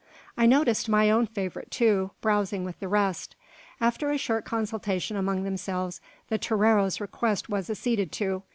I noticed my own favourite, too, browsing with the rest. After a short consultation among themselves, the torero's request was acceded to.